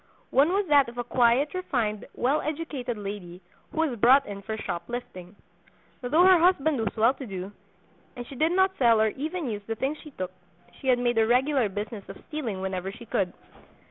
One was that of a quiet, refined, well educated lady, who was brought in for shop lifting. Though her husband was well to do, and she did not sell or even use the things she took, she had made a regular business of stealing whenever she could.